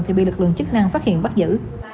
thì bị lực lượng chức năng phát hiện bắt giữ